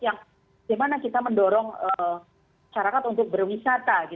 yang bagaimana kita mendorong masyarakat untuk berwisata